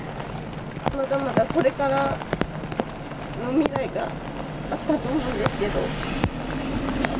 まだまだこれからの未来があったと思うんですけど。